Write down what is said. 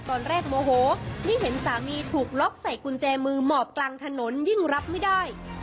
โมโหยิ่งเห็นสามีถูกล็อกใส่กุญแจมือหมอบกลางถนนยิ่งรับไม่ได้